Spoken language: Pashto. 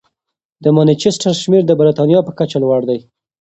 د مانچسټر شمېر د بریتانیا په کچه لوړ دی.